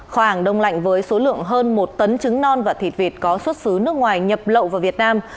khoáng hàng đông lạnh với số lượng hơn một tấn trứng non và thịt vịt có xuất xứ nước ngoài nhập lậu vào việt nam